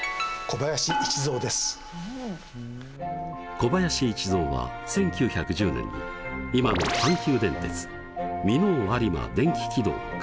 小林一三は１９１０年に今の阪急電鉄箕面有馬電気軌道を開業。